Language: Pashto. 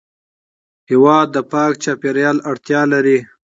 هېواد د پاک چاپېریال اړتیا لري.